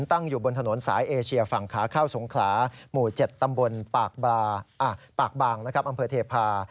ตั้งอยู่บนถนนสายเอเชียฝั่งขาเข้าสงขลาหมู่๗ตำบลปากบางอำเภอเทพา